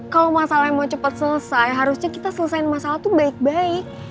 kalau masalah yang mau cepet selesai harusnya kita selesain masalah tuh baik baik